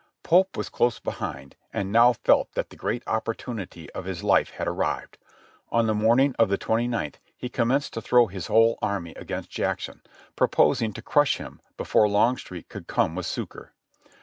Pope was close behind and now felt that the great opportunity of his life had arrived. On the morning of the twenty ninth he commenced to throw his whole army against Jackson, purposing to crush him before Longstreet could come with succor.